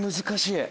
難しい。